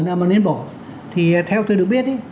nào mà nên bỏ thì theo tôi được biết